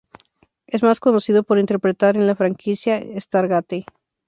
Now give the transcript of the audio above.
Es más conocido por interpretar a en la franquicia "Stargate".